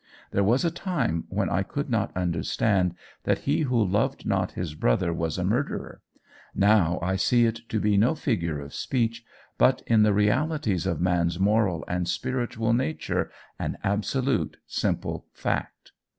There was a time when I could not understand that he who loved not his brother was a murderer: now I see it to be no figure of speech, but, in the realities of man's moral and spiritual nature, an absolute simple fact.